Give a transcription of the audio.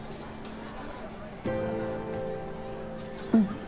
うん。